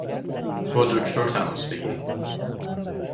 با دکتر تماس بگیرید!